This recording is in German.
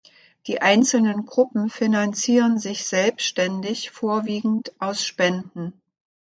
Die einzelnen Gruppen finanzieren sich selbstständig vorwiegend aus Spenden.